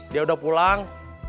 dia udah pulang